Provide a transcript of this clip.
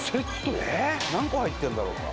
えっ何個入ってるんだろうか？